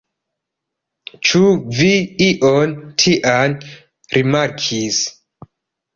Ĉu vi ion tian rimarkis?